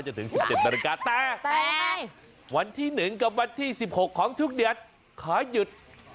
เช้าจะถึง๑๗นแต่วันที่๑กับวันที่๑๖ของทุกเดียนขอหยุด